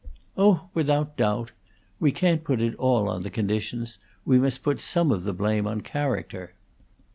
"Oh, without doubt! We can't put it all on the conditions; we must put some of the blame on character.